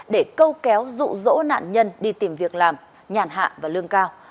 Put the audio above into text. để câu kéo rụ rỗ nạn nhân đi tìm việc làm nhàn hạ và lương cao